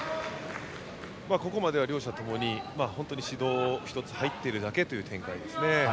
ここまでは両者ともに指導１つ入っているだけという展開ですね。